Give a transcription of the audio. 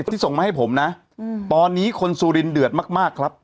นี่ที่ส่งมาให้ผมนะอืมตอนนี้คนสุรินทร์เดือดมากมากครับ